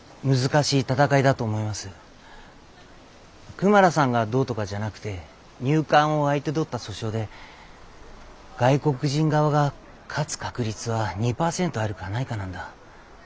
クマラさんがどうとかじゃなくて入管を相手取った訴訟で外国人側が勝つ確率は２％あるかないかなんだ。